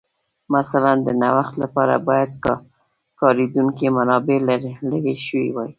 مثلاً د نوښت لپاره باید کارېدونکې منابع لرې شوې وای